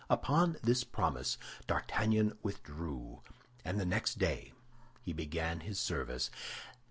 Upon this promise D'Artagnan withdrew, and the next day he began service.